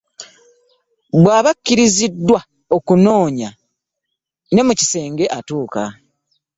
Bw'aba akkiriziddwa okunoonya ne mukisenga atuuka.